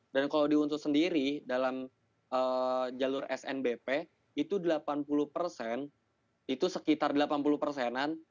dan kalau diuntut sendiri dalam jalur snbp itu delapan puluh persen itu sekitar delapan puluh persenan